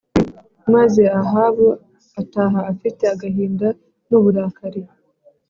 Maze Ahabu ataha afite agahinda n uburakari